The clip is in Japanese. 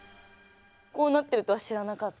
こうなってるとは知らなかった。